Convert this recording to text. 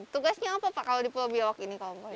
tugasnya apa pak kalau di pulau biawak ini